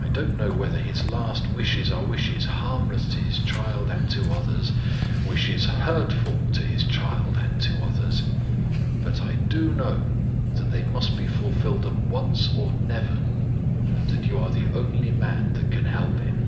I don't know whether his last wishes are wishes harmless to his child and to others, wishes hurtful to his child and to others; but I do know that they must be fulfilled at once or never, and that you are the only man that can help him."